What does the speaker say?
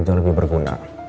jauh lebih berguna